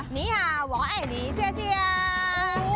นี่ค่ะหัวแอดนี้เชียว